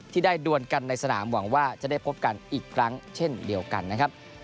ได้ดวนกันในสนามหวังว่าจะได้พบกันอีกครั้งเช่นเดียวกันนะครับ